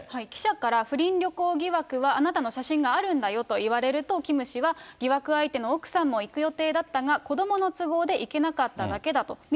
記者から不倫旅行疑惑はあなたの写真があるんだよと言われると、キム氏は、疑惑相手の奥さんも行く予定だったが、子どもの都合で行けなかっただけだと。